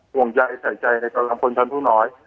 ทรวงใยใส่ใจการทำผลชั้นผู้น้อย